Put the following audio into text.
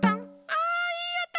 あいいおと！